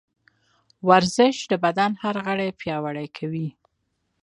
ورزش د بدن هر غړی پیاوړی کوي.